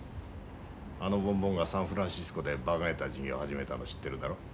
あのボンボンがサンフランシスコでばかげた事業始めたの知ってるだろう。